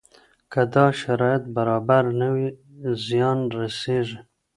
که دا شرایط برابر نه وي زیان رسېږي.